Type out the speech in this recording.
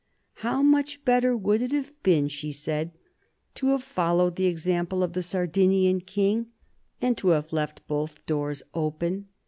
" How much better would it have been," she said, "to have followed the example of the Sardinian king, and to have left both doors open."